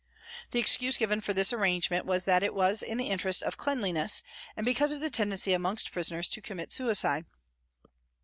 The excuse given for this arrangement was that it was in the interests of cleanliness and because of the tendency amongst prisoners to commit suicide.